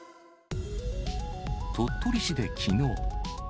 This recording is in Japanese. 鳥取市できのう。